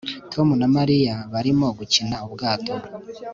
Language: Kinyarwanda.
Tom na Mariya barimo gukina ubwato